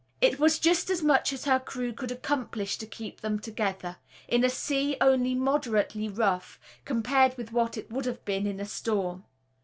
It was just as much as her crew could accomplish to keep them together, in a sea only moderately rough, compared with what it would have been in a storm.